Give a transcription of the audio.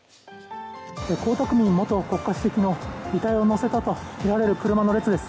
江沢民元国家主席の遺体を乗せたとみられる車の列です。